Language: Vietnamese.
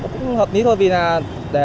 cũng hợp lý thôi vì là